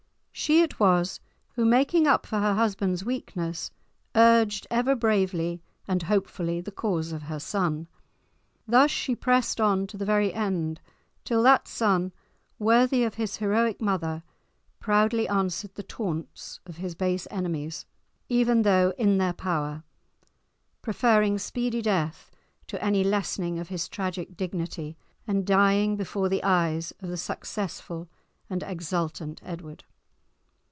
She it was who, making up for her husband's weakness, urged ever bravely and hopefully the cause of her son. Thus she pressed on to the very end, till that son, worthy of his heroic mother, proudly answered the taunts of his base enemies, even though in their power, preferring speedy death to any lessening of his tragic dignity, and dying before the eyes of the successful and exultant Edward.